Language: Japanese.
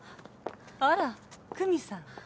あら久美さん。